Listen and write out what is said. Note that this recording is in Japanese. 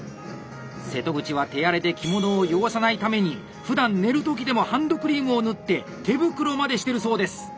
瀬戸口は手荒れで着物を汚さないためにふだん寝る時でもハンドクリームを塗って手袋までしてるそうです！